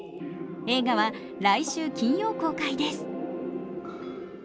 映画は来週金曜公開です。